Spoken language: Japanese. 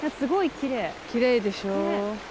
きれいでしょ。